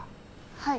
はい。